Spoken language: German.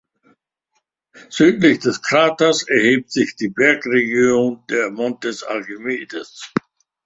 Südlich des Kraters erhebt sich die Bergregion der Montes Archimedes.